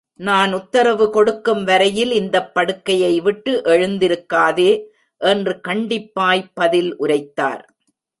நான் உத்தரவு கொடுக்கும் வரையில் இந்தப் படுக்கையை விட்டு எழுந்திருக்காதே! என்று கண்டிப்பாய்ப் பதில் உரைத்தார்.